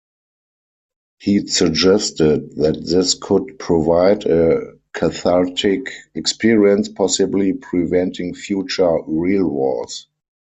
He suggested that this could provide a cathartic experience, possibly preventing future real wars.